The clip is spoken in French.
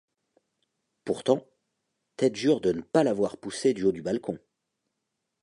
Pourtant, Ted jure de ne pas l’avoir poussée du haut du balcon.